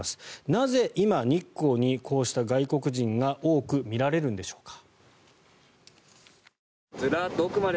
なぜ、今、日光にこうした外国人が多く見られるのでしょうか。